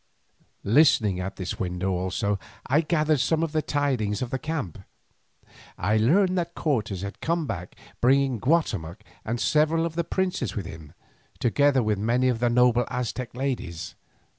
Listening at this window also I gathered some of the tidings of the camp. I learned that Cortes had come back, bringing Guatemoc and several of the princes with him, together with many of the noble Aztec ladies.